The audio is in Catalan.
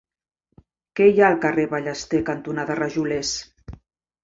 Què hi ha al carrer Ballester cantonada Rajolers?